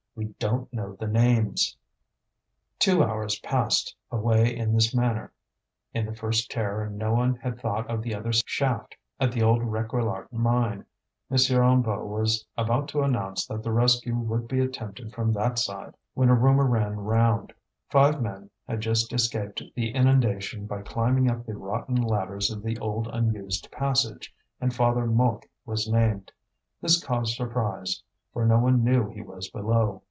We don't know the names!" Two hours passed away in this manner. In the first terror no one had thought of the other shaft at the old Réquillart mine, M. Hennebeau was about to announce that the rescue would be attempted from that side, when a rumour ran round: five men had just escaped the inundation by climbing up the rotten ladders of the old unused passage, and Father Mouque was named. This caused surprise, for no one knew he was below.